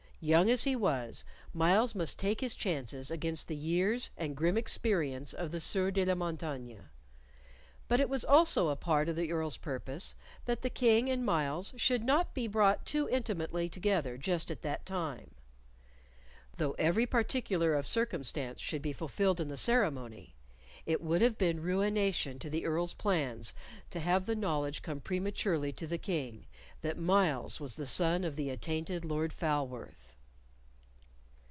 Young as he was, Myles must take his chances against the years and grim experience of the Sieur de la Montaigne. But it was also a part of the Earl's purpose that the King and Myles should not be brought too intimately together just at that time. Though every particular of circumstance should be fulfilled in the ceremony, it would have been ruination to the Earl's plans to have the knowledge come prematurely to the King that Myles was the son of the attainted Lord Falworth.